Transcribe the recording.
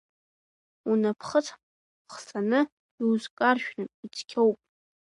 Унапхыц хсаны иузкаршәрым, ицқьоуп.